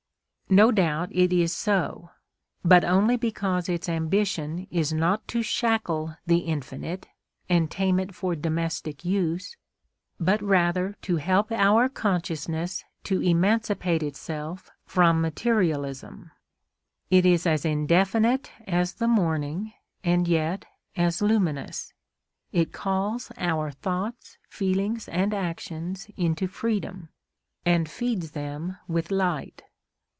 No doubt it is so, but only because its ambition is not to shackle the Infinite and tame it for domestic use; but rather to help our consciousness to emancipate itself from materialism. It is as indefinite as the morning, and yet as luminous; it calls our thoughts, feelings, and actions into freedom, and feeds them with light.